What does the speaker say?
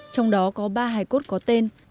trong đó có ba hải cốt có tên